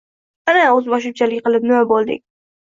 Ana o‘zboshimchalik qilib, nima bo‘lding?